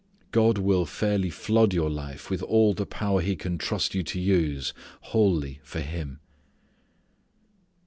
God will fairly flood your life with all the power He can trust you to use wholly for Him.